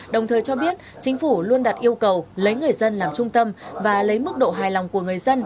đồng thời cho biết chính phủ luôn đặt yêu cầu lấy người dân làm trung tâm và lấy mức độ hài lòng của người dân